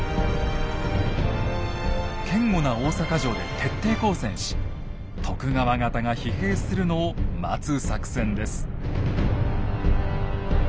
堅固な大坂城で徹底抗戦し徳川方が疲弊するのを待つ作戦です。